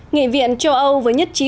nghị viện châu âu với nhất trí